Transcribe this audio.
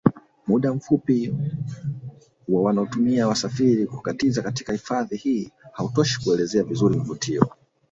Muda mfupi wa wanaotumia wasafiri kukatiza katika hifadhi hii hautoshi kuelezea vizuri vivutio